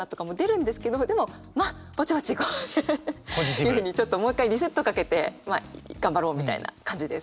いうふうにもう一回リセットかけてまあ頑張ろうみたいな感じです。